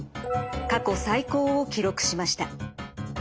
過去最高を記録しました。